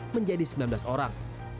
menjadi sembilan belas orang